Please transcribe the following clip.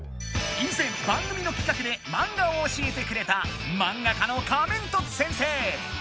いぜん番組のきかくでマンガを教えてくれた漫画家のカメントツ先生！